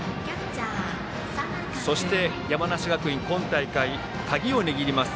そして山梨学院今大会、鍵を握ります